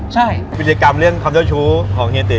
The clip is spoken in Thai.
กวิธีกรรมเรียนคำเจ้าชูของเฮียตีรย์